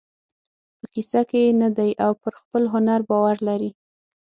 په کیسه کې یې نه دی او پر خپل هنر باور لري.